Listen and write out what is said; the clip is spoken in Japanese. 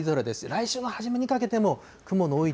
来週の初めにかけても、雲の多い